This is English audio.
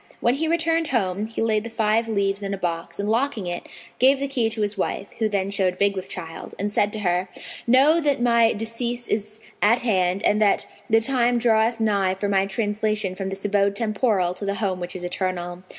When he returned home, he laid the five leaves in a box and locking it, gave the key to his wife (who then showed big with child), and said to her, "Know that my decease is at hand and that the time draweth nigh for my translation from this abode temporal to the home which is eternal.